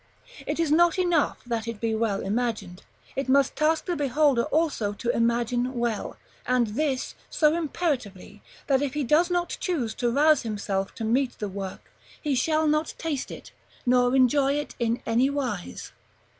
It is not enough that it be well imagined, it must task the beholder also to imagine well; and this so imperatively, that if he does not choose to rouse himself to meet the work, he shall not taste it, nor enjoy it in any wise.